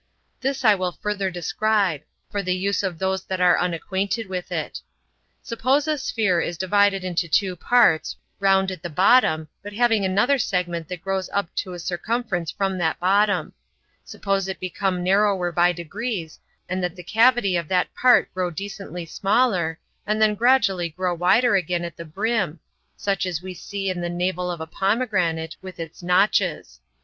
This I will further describe, for the use of those that are unacquainted with it. Suppose a sphere be divided into two parts, round at the bottom, but having another segment that grows up to a circumference from that bottom; suppose it become narrower by degrees, and that the cavity of that part grow decently smaller, and then gradually grow wider again at the brim, such as we see in the navel of a pomegranate, with its notches.